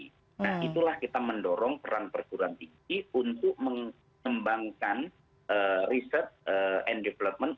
nah itulah kita mendorong peran perguruan tinggi untuk mengembangkan riset and development